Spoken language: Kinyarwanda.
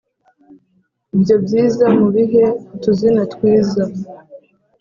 Ibyo byiza mubihe utuzina twiza